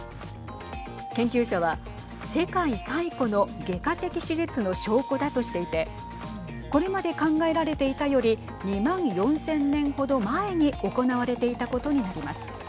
研究者は世界最古の外科的手術の証拠だとしていてこれまで考えられていたより２万４０００年程前に行われていたことになります。